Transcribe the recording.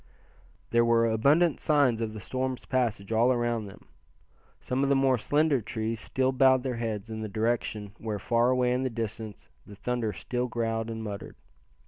There were abundant signs of the storm's passage all around them. Some of the more slender trees still bowed their heads in the direction where, far away in the distance, the thunder still growled and muttered.